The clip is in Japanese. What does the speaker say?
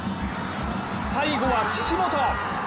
最後は岸本。